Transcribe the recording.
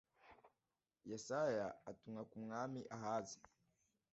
yesaya atumwa ku mwami ahazi